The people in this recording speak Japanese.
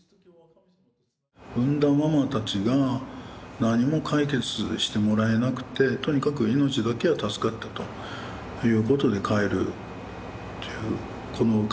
産んだママたちが何も解決してもらえなくてとにかく命だけは助かったということで帰るっていう。